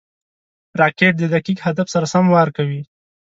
راکټ د دقیق هدف سره سم وار کوي